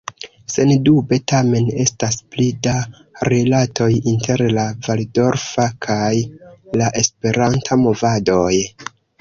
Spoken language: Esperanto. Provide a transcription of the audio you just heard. Sendube tamen estas pli da rilatoj inter la valdorfa kaj la esperanta movadoj.